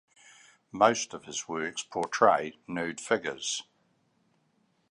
Most of his works portray nude figures.